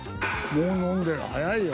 もう飲んでる早いよ。